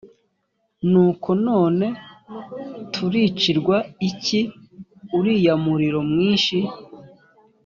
nuko none turicirwa iki uriya muriro mwinshi